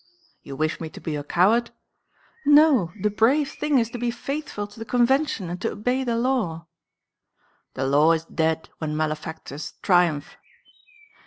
"You wish me to be a coward?" "No! the brave thing is to be faithful to the Convention and to obey the Law." "The law is dead when malefactors triumph."